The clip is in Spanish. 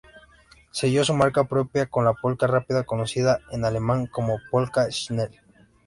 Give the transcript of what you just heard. Selló su marca propia con la polka rápida, conocida en alemán como "polka-schnell".